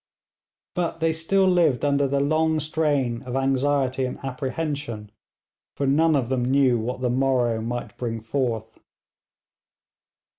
But they still lived under the long strain of anxiety and apprehension, for none of them knew what the morrow might bring forth.